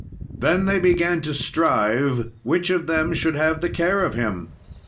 Then they began to strive which of them should have the care of him.